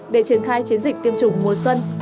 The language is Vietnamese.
để triển khai chiến dịch tiêm chủng mùa xuân